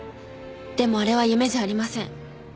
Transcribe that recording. でもあれは夢じゃありません。